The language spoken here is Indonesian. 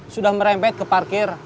sudah merempet ke parkir